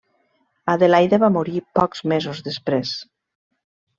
Adelaida va morir pocs mesos després.